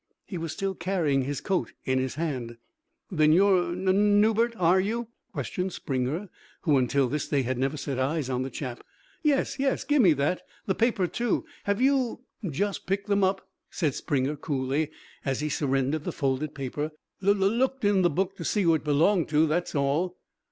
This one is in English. He was still carrying his coat in his hand. "Then you're Nun Newbert, are you?" questioned Springer, who until this day had never set eyes on the chap. "Yes, yes. Gimme that! The paper, too. Have you " "Just picked them up," said Springer coolly, as he surrendered the folded paper. "Lul looked in the book to see who it belonged to, that's all."